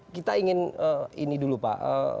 kita ingin ini dulu pak